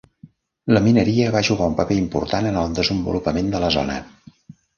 La mineria va jugar un paper important en el desenvolupament de la zona.